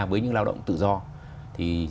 với những lao động tự do thì